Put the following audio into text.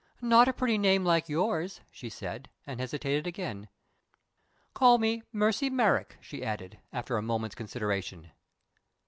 "Not a pretty name, like yours," she said, and hesitated again. "Call me 'Mercy Merrick,'" she added, after a moment's consideration.